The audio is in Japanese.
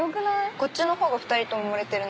こっちのほうが２人とも盛れてるね。